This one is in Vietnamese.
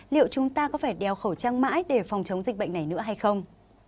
liệu chúng ta có phải đeo khẩu trang mãi để phòng chống dịch bệnh này nữa hay không